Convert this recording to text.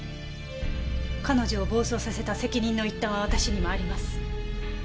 彼女を暴走させた責任の一端は私にもあります。